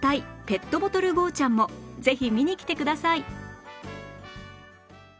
ペットボトルゴーちゃん。」もぜひ見に来てください